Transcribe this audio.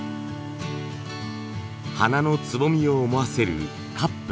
花のつぼみを思わせるカップ。